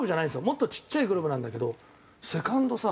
もっとちっちゃいグローブなんだけどセカンドさ